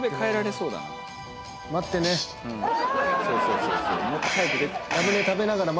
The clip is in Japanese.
そうそうそうそう。